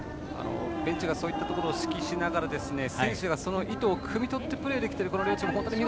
ベンチがそういうところを指揮しながら選手がその意図をくみ取ってプレーできている両チーム